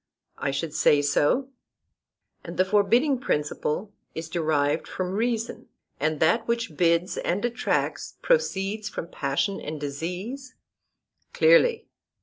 I should say so. And the forbidding principle is derived from reason, and that which bids and attracts proceeds from passion and disease? Clearly.